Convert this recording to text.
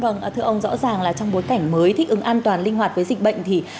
vâng thưa ông rõ ràng là trong bối cảnh mới thích ứng an toàn linh hoạt với dịch bệnh thì